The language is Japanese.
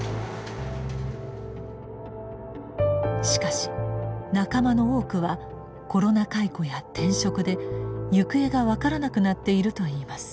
しかし仲間の多くはコロナ解雇や転職で行方が分からなくなっているといいます。